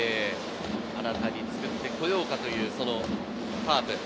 新たに作ってこようかというカープ。